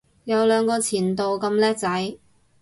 有兩個前度咁叻仔